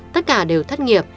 tất cả đều thất nghiệp